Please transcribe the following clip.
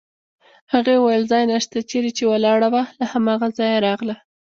هغې وویل: ځای نشته، چېرې چې ولاړه وه له هماغه ځایه راغله.